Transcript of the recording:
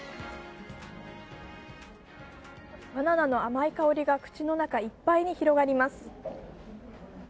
バナナの甘い香りが口の中いっぱいに広がります。